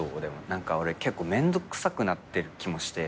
何か俺結構めんどくさくなってる気もして。